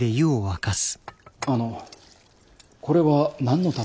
あのこれは何のために。